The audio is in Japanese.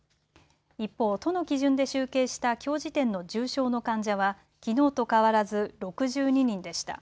一方、都の基準で集計したきょう時点の重症の患者はきのうと変わらず６２人でした。